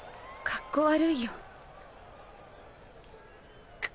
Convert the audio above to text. かっこ悪いよ。